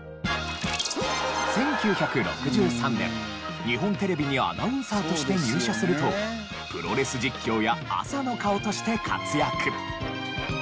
１９６３年日本テレビにアナウンサーとして入社するとプロレス実況や朝の顔として活躍。